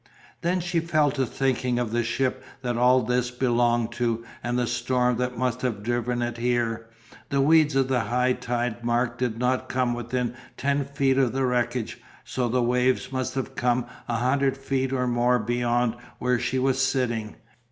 Then she fell to thinking of the ship that all this belonged to and the storm that must have driven it here. The weeds of the high tide mark did not come within ten feet of the wreckage, so the waves must have come a hundred feet or more beyond where she was sitting.